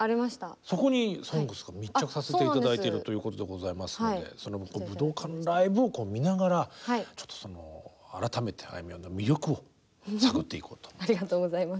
そこに「ＳＯＮＧＳ」が密着させて頂いてるということでございますのでその武道館ライブを見ながらちょっとその改めてあいみょんの魅力を探っていこうと思います。